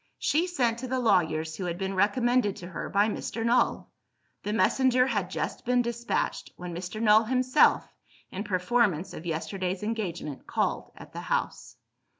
She sent to the lawyers who had been recommended to her by Mr. Null. The messenger had just been despatched, when Mr. Null himself, in performance of yesterday's engagement, called at the house.